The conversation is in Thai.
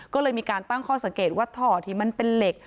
ก็เลยมีการตั้งข้อสังเกตว่าท่อที่มันเป็นเหล็ก